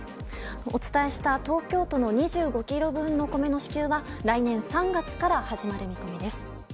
お伝えした東京都の２５ｋｇ分の米の支給は来年３月から始まる見込みです。